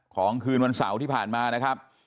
คืนวันเสาร์ที่ผ่านมานะครับ